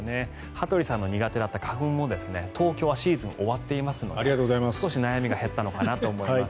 羽鳥さんの苦手だった花粉も東京はシーズン、終わってますので少し悩みが減ったのかなと思います。